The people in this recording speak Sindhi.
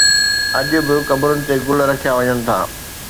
اڄ به قبرن تي گل رکيا وڃن ٿا